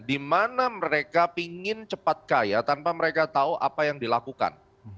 di mana mereka ingin cepat kaya tanpa mereka tahu apa yang dilakukan